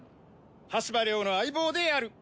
羽柴レオの相棒である。